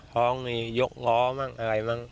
ก็มียกล้ออะไรบ้าง